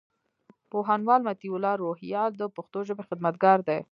پوهنوال مطيع الله روهيال د پښتو ژبي خدمتګار دئ.